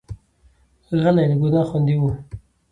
غلی، له ګناه خوندي وي.